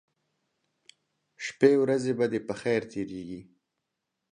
شپې ورځې به دې په خیر تیریږي